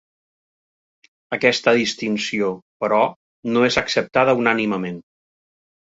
Aquesta distinció, però, no és acceptada unànimement.